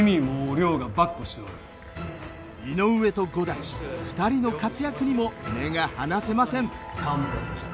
井上と五代２人の活躍にも目が離せません。